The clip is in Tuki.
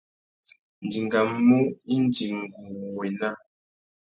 Nʼdingamú indi ngu wô ena.